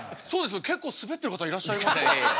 結構スベってる方いらっしゃいます。